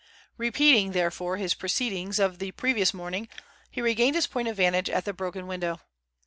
Repeating, therefore, his proceedings of the previous morning, he regained his point of vantage at the broken window.